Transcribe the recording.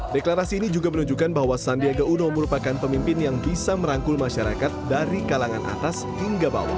deklarasi ini juga menunjukkan bahwa sandiaga uno merupakan pemimpin yang bisa merangkul masyarakat dari kalangan atas hingga bawah